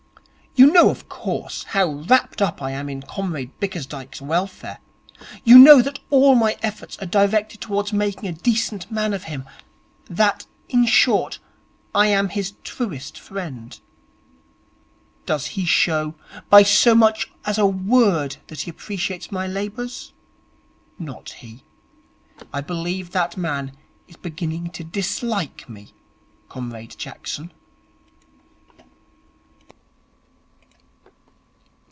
You know, of course, how wrapped up I am in Comrade Bickersdyke's welfare. You know that all my efforts are directed towards making a decent man of him; that, in short, I am his truest friend. Does he show by so much as a word that he appreciates my labours? Not he. I believe that man is beginning to dislike me, Comrade Jackson.'